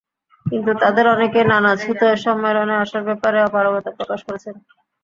কিন্তু তাঁদের অনেকেই নানা ছুতোয় সম্মেলনে আসার ব্যাপারে অপারগতা প্রকাশ করেছেন।